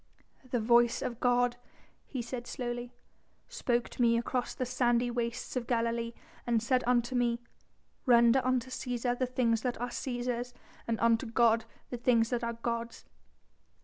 "The voice of God," he said slowly, "spoke to me across the sandy wastes of Galilee and said unto me: 'Render unto Cæsar the things that are Cæsar's, and unto God the things that are God's.'"